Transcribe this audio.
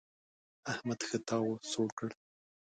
احمد ښه تاو سوړ کړ.